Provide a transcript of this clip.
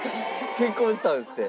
結婚したんですって。